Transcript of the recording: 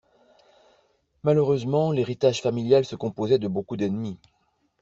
Malheureusement, l’héritage familial se composait de beaucoup d’ennemis.